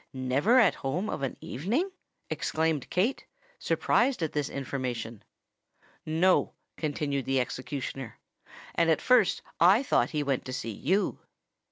"Never at home of an evening!" exclaimed Kate, surprised at this information. "No," continued the executioner; "and at first I thought he went to see you."